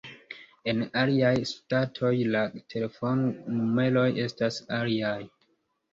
En aliaj ŝtatoj la telefonnumeroj estas aliaj.